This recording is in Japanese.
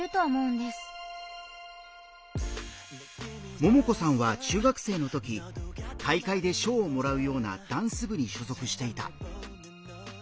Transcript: ももこさんは中学生のとき大会で賞をもらうようなダンス部に所属していた。